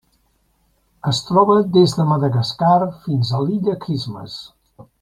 Es troba des de Madagascar fins a l'Illa Christmas.